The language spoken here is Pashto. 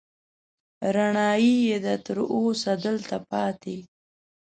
رڼايي يې ده، تر اوسه دلته پاتې